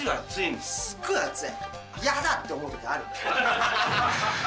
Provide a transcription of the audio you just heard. すっごい熱い。